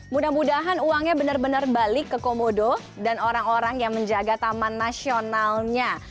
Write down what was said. mudah mudahan uangnya benar benar balik ke komodo dan orang orang yang menjaga taman nasionalnya